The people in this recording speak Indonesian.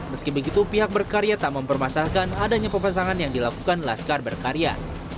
meski begitu pihak berkarya tak mempermasalahkan adanya pemasangan yang dilakukan laskar berkarya